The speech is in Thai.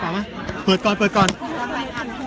ก็ไม่มีใครกลับมาเมื่อเวลาอาทิตย์เกิดขึ้น